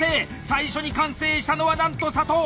最初に完成したのはなんと佐藤！